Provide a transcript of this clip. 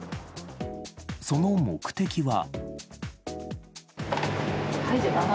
その目的は。